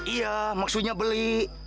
iya maksudnya beli